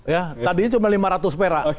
ya tadinya cuma lima ratus perak